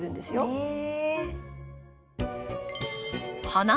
へえ。